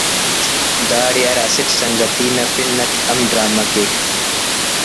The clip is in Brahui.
داڑے ہر اسٹ سنگتی نا پن اَٹ ہم ڈرامہ کیک